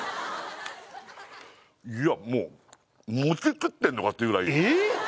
もうもち食ってんのかっていうぐらいえっ？